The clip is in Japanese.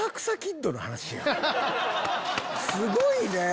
すごいね！